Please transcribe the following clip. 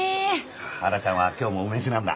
ハラちゃんは今日も梅酒なんだ？